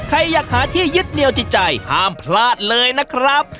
ใครอยากหาที่ยึดเหนียวจิตใจห้ามพลาดเลยนะครับ